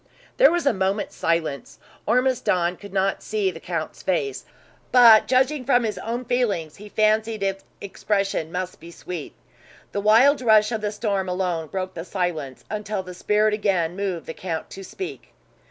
There was a moment's silence. Ormiston could not see the count's face; but, judging from his own feelings, he fancied its expression must be sweet. The wild rush of the storm alone broke the silence, until the spirit again moved the count to speak.